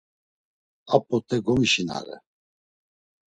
A p̌ot̆e gomişinare!